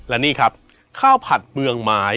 และนี่ครับข้าวผัดเปลืองไม้